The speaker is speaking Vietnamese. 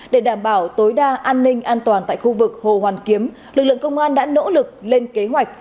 để đảm bảo tối đa an ninh an toàn tại khu vực hồ hoàn kiếm lực lượng công an đã nỗ lực lên kế hoạch